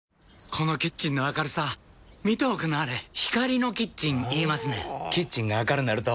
このキッチンの明るさ見ておくんなはれ光のキッチン言いますねんほぉキッチンが明るなると・・・